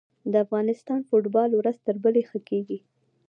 د افغانستان فوټبال ورځ تر بلې ښه کیږي.